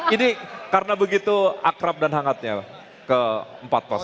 ini karena begitu akrab dan hangatnya pak